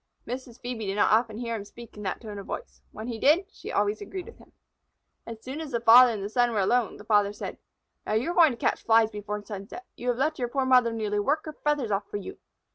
Mrs. Phœbe did not often hear him speak in that tone of voice. When he did, she always agreed with him. As soon as father and son were alone, the father said: "Now you are going to catch Flies before sunset. You have let your poor mother nearly work her feathers off for you.